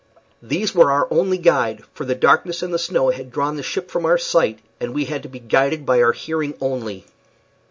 These were our only guide, for the darkness and the snow had drawn the ship from our sight, and we had to be guided by our hearing only.